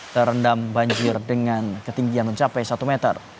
terendam banjir dengan ketinggian mencapai satu meter